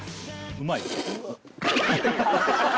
「うまい？」